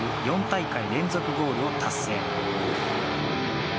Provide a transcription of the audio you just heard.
４大会連続ゴールを達成。